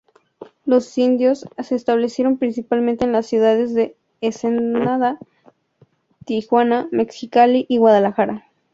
Los indios se establecieron principalmente en las ciudades de Ensenada, Tijuana, Mexicali y Guadalajara.